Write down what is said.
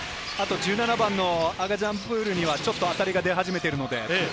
あとアガジャンプールにはちょっと当たりが出始めているので。